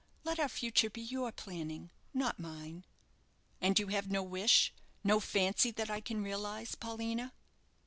Let our future be your planning, not mine." "And you have no wish, no fancy, that I can realize, Paulina?"